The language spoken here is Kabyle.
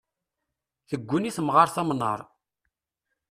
Tegguni temɣart amnar.